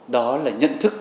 đó là nhận thức